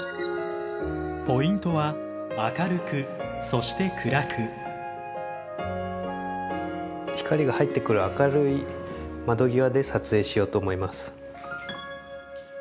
ポイントは光が入ってくる明るい窓際で撮影しようと思います。